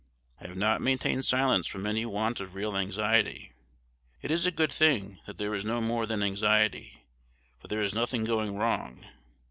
"I have not maintained silence from any want of real anxiety. _It is a good thing that there is no more than anxiety, for there is nothing going wrong.